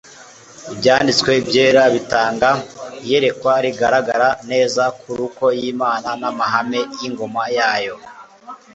Ibyanditswe byera bitanga iyerekwa rigaragara neza ku ruko y'Imana n'amahame y'ingoma yayo.